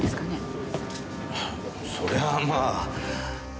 そりゃあまあ。